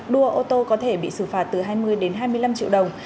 đua ô tô có thể bị xử phạt từ hai mươi đến hai mươi năm triệu đồng